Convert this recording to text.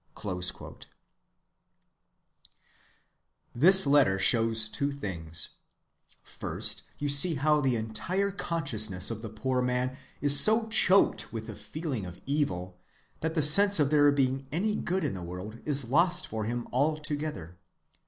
(78) This letter shows two things. First, you see how the entire consciousness of the poor man is so choked with the feeling of evil that the sense of there being any good in the world is lost for him altogether.